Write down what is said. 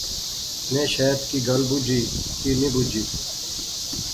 میں شیت کی گل بجی۔۔۔ کی نی بجی